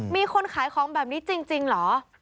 มีคนขายของแบบนี้จริงเหรอ